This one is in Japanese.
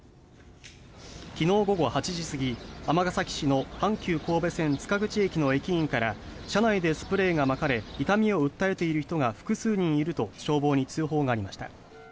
昨日午後８時過ぎ尼崎市の阪急神戸線塚口駅の駅員から車内でスプレーがまかれ痛みを訴えている人が複数人いると消防に通報がありました。